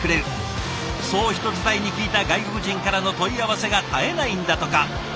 そう人伝えに聞いた外国人からの問い合わせが絶えないんだとか。